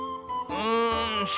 うんしょ。